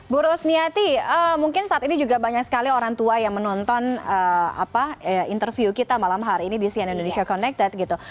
bu rosniati mungkin saat ini juga banyak sekali orang tua yang menonton interview kita malam hari ini di cnn indonesia connected gitu